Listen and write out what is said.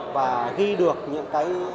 và ghi được những cái